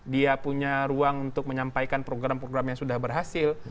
dia punya ruang untuk menyampaikan program program yang sudah berhasil